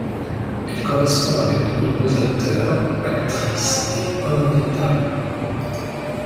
Elle correspond avec de nombreux acteurs, actrices et hommes d'état.